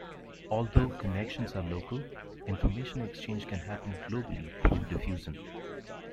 Although connections are local, information exchange can happen globally through diffusion.